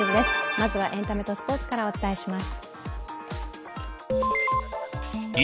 まずはエンタメとスポーツからお伝えします。